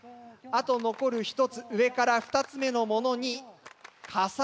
あと残る１つ上から２つ目のものに重ねる。